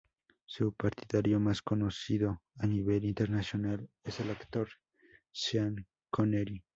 Su partidario más conocido a nivel internacional es el actor Sean Connery.